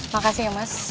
makasih ya mas